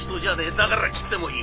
だから斬ってもいい。